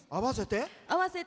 合わせて？